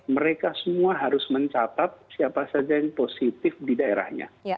mereka semua harus mencatat siapa saja yang positif di daerahnya